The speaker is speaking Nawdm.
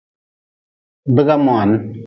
Biga moan.